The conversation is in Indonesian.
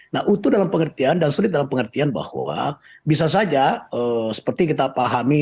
nah utuh dalam pengertian dan sulit dalam pengertian bahwa bisa saja seperti kita pahami